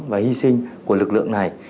và hy sinh của lực lượng này